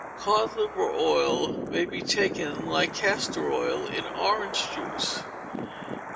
Cod liver oil may be taken, like castor oil, in orange juice.